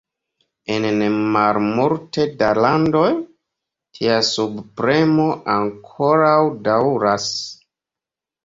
En ne malmulte da landoj, tia subpremo ankoraŭ daŭras.